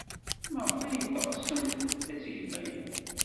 Maɣef ay teɣsemt ad geɣ aya?